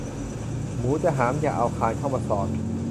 หมูจะหามอย่าเอาคานเข้ามาสอด